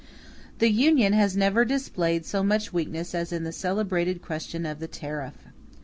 The Union has never displayed so much weakness as in the celebrated question of the tariff.